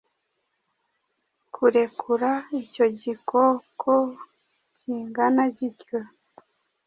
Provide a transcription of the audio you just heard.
kurekura icyo gikoko kingana gityo